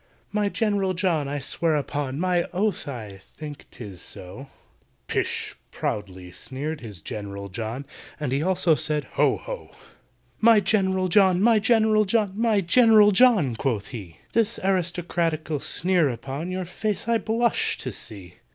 "My GENERAL JOHN, I swear upon My oath I think 'tis so—" "Pish!" proudly sneered his GENERAL JOHN, And he also said "Ho! ho!" "My GENERAL JOHN! my GENERAL JOHN! My GENERAL JOHN!" quoth he, "This aristocratical sneer upon Your face I blush to see!